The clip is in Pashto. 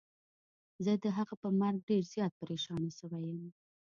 زه د هغه په مرګ ډير زيات پريشانه سوی يم.